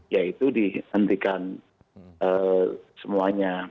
ya itu dihentikan semuanya